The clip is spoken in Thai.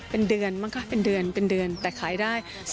เป็นเดือนมั้งค่ะเป็นเดือนแต่ขายได้